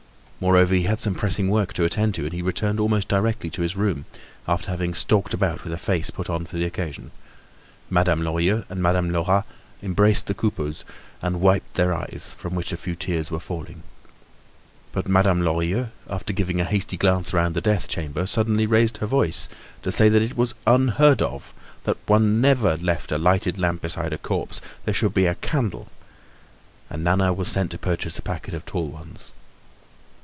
Moreover he had some pressing work to attend to, and he returned almost directly to his room, after having stalked about with a face put on for the occasion. Madame Lorilleux and Madame Lerat embraced the Coupeaus and wiped their eyes, from which a few tears were falling. But Madame Lorilleux, after giving a hasty glance round the death chamber, suddenly raised her voice to say that it was unheard of, that one never left a lighted lamp beside a corpse; there should be a candle, and Nana was sent to purchase a packet of tall ones.